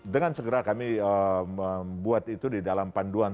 dengan segera kami membuat itu di dalam panduan